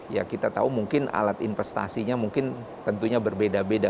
ya kita tahu mungkin alat investasinya mungkin tentunya berbeda beda